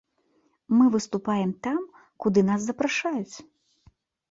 Мы выступаем там, куды нас запрашаюць.